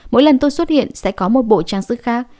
mỗi lần tôi xuất hiện sẽ có một bộ trang sức khác